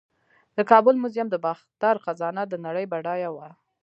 د کابل میوزیم د باختر خزانه د نړۍ بډایه وه